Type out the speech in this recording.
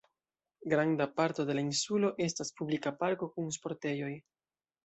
Granda parto de la insulo estas publika parko kun sportejoj.